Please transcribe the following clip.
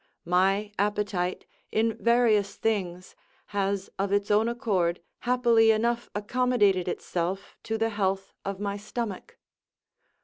My appetite, in various things, has of its own accord happily enough accommodated itself to the health of my stomach.